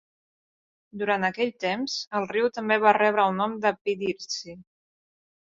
Durant aquell temps, el riu també va rebre el nom de Pidhirtsi.